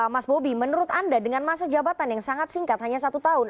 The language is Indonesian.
mas bobi menurut anda dengan masa jabatan yang sangat singkat hanya satu tahun